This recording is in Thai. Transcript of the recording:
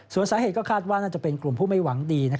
ส่วนสาเหตุก็คาดว่าน่าจะเป็นกลุ่มผู้ไม่หวังดี